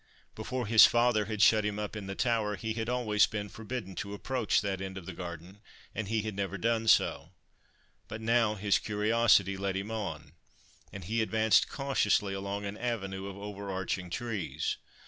Before his father had shut him up in the tower, he had always been forbidden to approach that end of the garden, and he had never done so ; but now his curiosity led him on, and he advanced cautiously along an avenue of overarching trees.